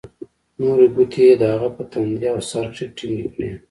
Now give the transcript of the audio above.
نورې گوتې يې د هغه په تندي او سر کښې ټينگې کړې.